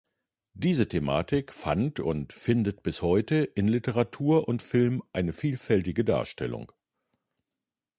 Diese Thematik fand und findet bis heute in Literatur und Film eine vielfältige Darstellung.